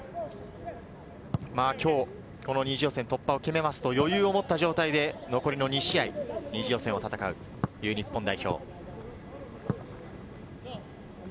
今日、２次予選突破を決めますと、余裕を持った状態で残りの２試合、２次予選を戦うという日本代表。